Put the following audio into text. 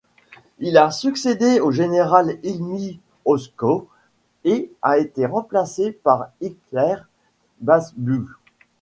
Il a succédé au général Hilmi Özkök et a été remplacé par İlker Başbuğ.